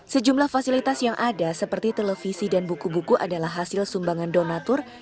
sejumlah fasilitas yang ada seperti televisi dan buku buku adalah hasil sumbangan donatur